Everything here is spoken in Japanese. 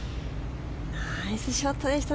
ナイスショットでした。